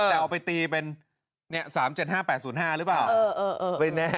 แต่เอาไปตีเป็น๓๗๕๘๐๕หรือเปล่าไม่แน่